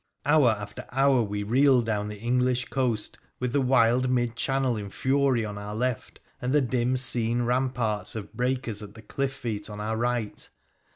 Hour after hour we reeled down the English coast with the wild mid channel in fury on our left and the dim seen ram parts of breakers at the cliff feet on our right.